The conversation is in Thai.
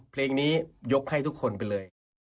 เพลงนี้ยกให้ทุกคนไปเลย